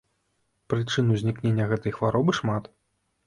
Прычын узнікнення гэтай хваробы шмат.